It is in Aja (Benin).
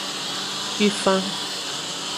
Kuifan.